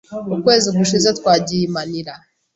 Ukwezi gushize twagiye i Manila.